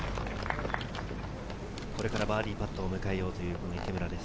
これからバーディーパットを迎えようという池村です。